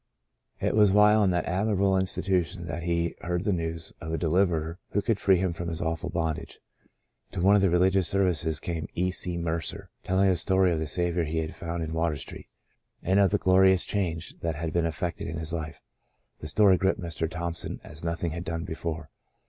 It was while in that admirable institution that he heard the news of a Deliverer who could free him from his awful bondage. To one of the religious services came E. C. Mercer, telling the story of the Saviour he had found in Water Street, and of the glorious change that had been effected in his life. The story gripped Mr. Thompson as nothing had done before.